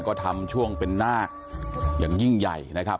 ก็ทำช่วงเป็นนาคอย่างยิ่งใหญ่นะครับ